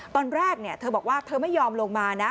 ตอนแรกเธอบอกว่าเธอไม่ยอมลงมานะ